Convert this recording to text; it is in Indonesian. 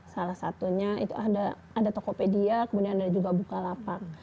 salah satunya itu ada tokopedia kemudian ada juga bukalapak